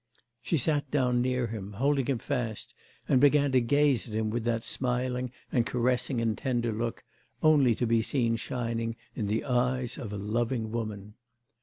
She sat down near him, holding him fast, and began to gaze at him with that smiling, and caressing, and tender look, only to be seen shining in the eyes of a loving woman.